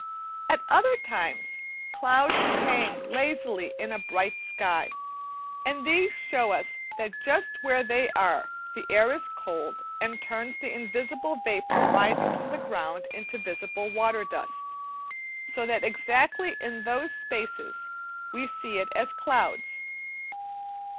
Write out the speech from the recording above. At other times clouds hang lazily in a bright sky, and these show us that just where they are (as in Fig. 19) the air is cold and turns the invisible vapour rising from the ground into visible water dust, so that exactly in those spaces we see it as clouds.